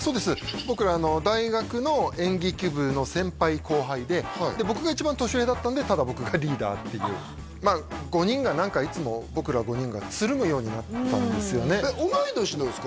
僕ら大学の演劇部の先輩後輩でで僕が一番年上だったんでただ僕がリーダーっていうまあ５人が何かいつも僕ら５人がつるむようになったんですよねえっ同い年なんですか？